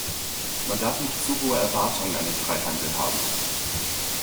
Man darf nicht zu hohe Erwartungen an den Freihandel haben.